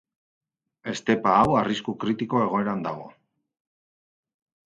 Estepa hau arrisku kritiko egoeran dago.